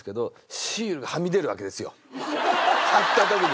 貼った時に。